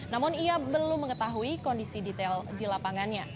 namun ia belum mengetahui kondisi detail di lapangannya